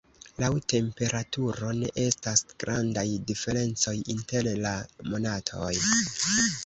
Laŭ temperaturo ne estas grandaj diferencoj inter la monatoj.